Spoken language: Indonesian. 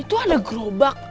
itu ada gerobak